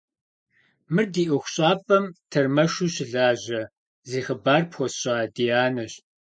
Мыр ди ӏуэхущӏапӏэм тэрмэшу щылажьэ, зи хъыбар пхуэсщӏа Дианэщ.